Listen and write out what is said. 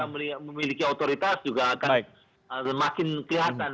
memiliki otoritas juga akan semakin kelihatan